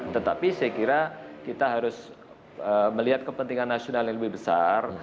tetapi saya kira kita harus melihat kepentingan nasional yang lebih besar